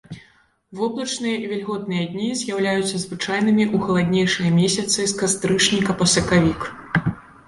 Воблачныя і вільготныя дні з'яўляюцца звычайнымі ў халаднейшыя месяцы з кастрычніка па сакавік.